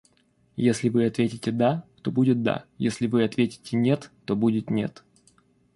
Если вы ответите да, то будет да, если вы ответите нет, то будет нет.